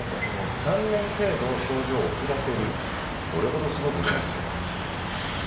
３年程度症状を遅らせるどれほどすごいことなんでしょうか。